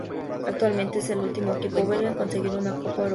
Actualmente es el último equipo belga en conseguir una copa europea.